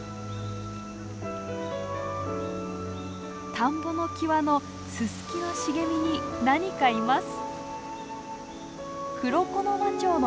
田んぼの際のススキの茂みに何かいます。